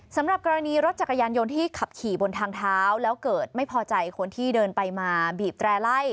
สำหรับกรณีรถจักรยานยนต์ที่ขับขี่บนทางเท้าแล้วเกิดไม่พอใจคนที่เดินไปมาบีบแตร่ไล่